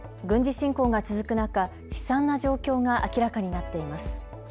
軍事侵攻が続く中、悲惨な状況が明らかになっています。